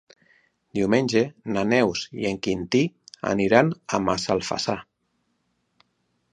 Diumenge na Neus i en Quintí iran a Massalfassar.